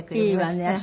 いいわね。